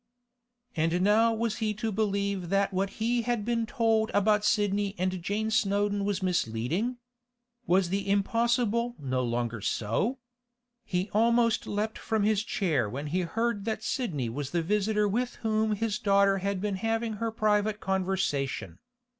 And now was he to believe that what he had been told about Sidney and Jane Snowdon was misleading? Was the impossible no longer so? He almost leapt from his chair when he heard that Sidney was the visitor with whom his daughter had been having her private conversation.